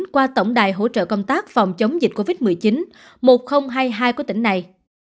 qua tổng đài hỗ trợ công tác phòng chống dịch covid một mươi chín một nghìn hai mươi hai của tỉnh này